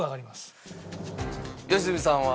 良純さんは？